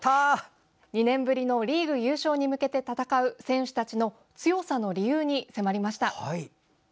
２年ぶりリーグ優勝に向けて戦う選手たちの強さの理由に迫りました。